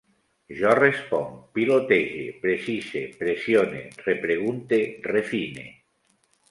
Jo responc, pilotege, precise, pressione, repregunte, refine